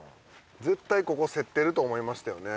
絶対ここ競ってると思いましたよね。